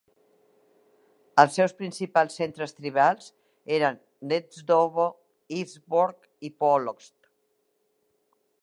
Els seus principals centres tribals eren Gnezdovo, Izborsk i Polotsk.